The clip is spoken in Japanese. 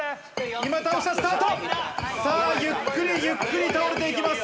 今、倒しました、スタート、さあ、ゆっくりゆっくり倒れていきます。